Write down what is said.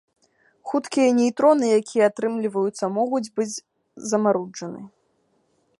Хуткія нейтроны, якія атрымліваюцца, могуць быць замаруджаны.